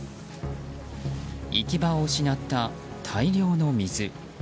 行き場を失った大量の水。